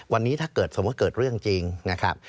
วันนี้ถ้าเกิดสมมุติเกิดเรื่องจริงนะครับ